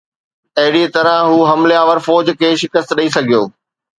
اهڙيءَ طرح هو حملي آور فوج کي شڪست ڏئي سگهيو